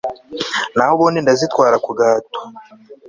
naho ubundi ndazitwara ku gahato